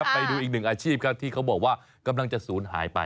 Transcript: ไปดูอีกหนึ่งอาชีพครับที่เขาบอกว่ากำลังจะศูนย์หายไป